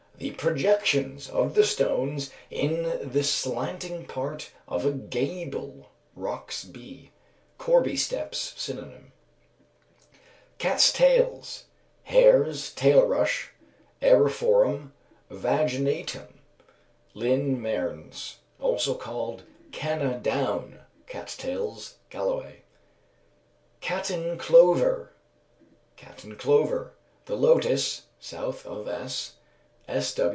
_ The projections of the stones in the slanting part of a gable (Roxb.). Corbie steps, synon. Cat's Tails. Hare's Tail Rush (Eriophorum vaginatum). LINN. Mearns; also called Canna down, Cat Tails (Galloway). Catten Clover., Cat in Clover. The Lotus (_South of S.